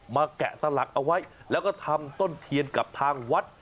แกะสลักเอาไว้แล้วก็ทำต้นเทียนกับทางวัด